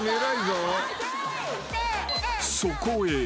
［そこへ］